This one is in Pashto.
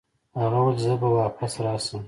هغه وویل چې زه به واپس راشم.